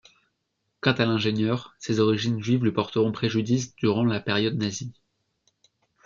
Quant à l'ingénieur, ses origines juives lui porteront préjudice durant la période nazie.